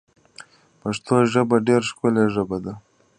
پشتو ژبه ډېره ښکولي ژبه ده